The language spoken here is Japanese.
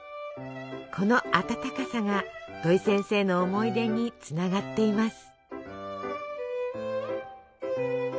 この温かさが土井先生の思い出につながっています。